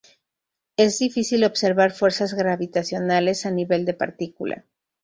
Es difícil observar fuerzas gravitacionales a nivel de partícula.